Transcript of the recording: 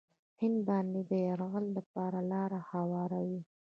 هند باندې د یرغل لپاره لاره هواروي.